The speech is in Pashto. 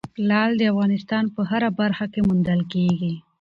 لعل د افغانستان په هره برخه کې موندل کېږي.